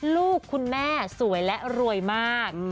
ลูกคุณแม่สวยและรวยมาก